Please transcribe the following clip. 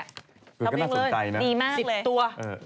ก็น่าสนใจนะ๑๐ตัว